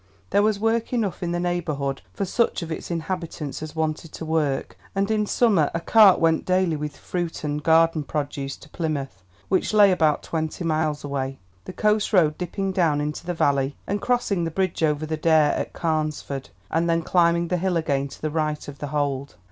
There was work enough in the neighbourhood for such of its inhabitants as wanted to work, and in summer a cart went daily with fruit and garden produce to Plymouth, which lay about twenty miles away, the coast road dipping down into the valley, and crossing the bridge over the Dare at Carnesford, and then climbing the hill again to the right of The Hold.